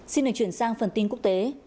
xin được chuyển sang phần tin quốc tế